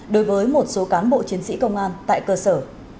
đối với một số cán bộ chiến sĩ công an tại cơ sở